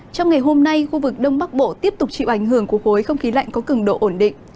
trong ngày hôm nay khu vực đông bắc bộ tiếp tục chịu ảnh hưởng của khối không khí lạnh có cường độ ổn định